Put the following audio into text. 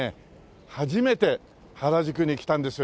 初めて原宿に来たんですよ